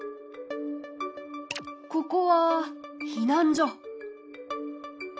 ここは避難所。